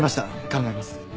考えます。